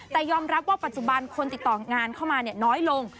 แต่ยอมรับว่าปัจจุบันคนติดต่องานเข้ามาน้อยลง